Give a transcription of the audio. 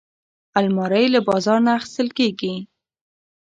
الماري له بازار نه اخیستل کېږي